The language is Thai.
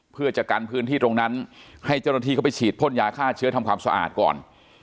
เพื่อจะกันพื้นที่ตรงนั้นให้เจ้าหน้าที่เข้าไปฉีดพ่นยาฆ่าเชื้อทำความสะอาดก่อน